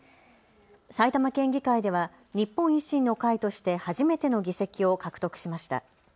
埼玉県議会では日本維新の会として初めての議席を獲得しました。